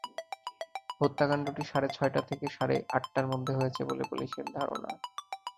হত্যাকাণ্ডটি সাড়ে ছয়টা থেকে সাড়ে আটটার মধ্যে হয়েছে বলে পুলিশের ধারণা।